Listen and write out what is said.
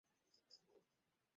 সে চলে যাচ্ছে!